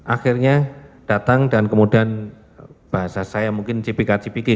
akhirnya datang dan kemudian bahasa saya mungkin cipika cipiki